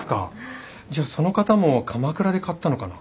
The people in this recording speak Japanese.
じゃあその方も鎌倉で買ったのかな？